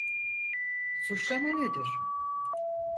Suçlama nedir?